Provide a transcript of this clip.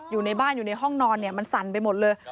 อยู่ในบ้านอยู่ในห้องนอนเนี่ยมันสั่นไปหมดเลย